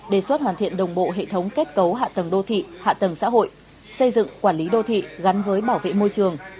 đề xuất hoàn thiện đồng bộ hệ thống kết cấu hạ tầng đô thị hạ tầng xã hội xây dựng quản lý đô thị gắn với bảo vệ môi trường